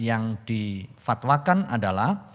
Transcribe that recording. yang difatwakan adalah